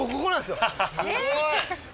すごい！